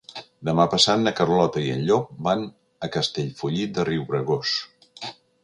Demà passat na Carlota i en Llop van a Castellfollit de Riubregós.